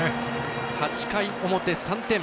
８回表、３点。